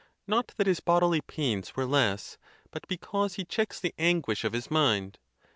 not that his bodily pains were less, but because he checks the anguish of his mind.